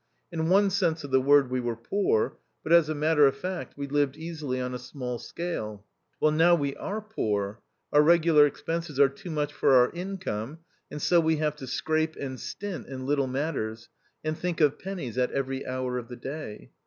In one sense of the word we were poor ; but, as a matter of fact, we lived easily on a small scale. Well, now we are poor ; our regular expenses are too much for our income, and so we have to scrape and stint in little matters, and think of pennies at every hour of the day.